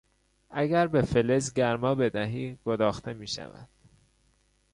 اگر به فلز گرما بدهی گداخته میشود.